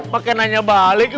pak ranti nanya balik